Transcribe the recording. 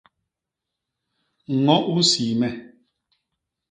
Ño u nsii me.